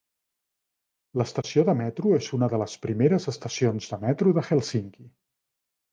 L'estació de metro és una de les primeres estacions de metro de Helsinki.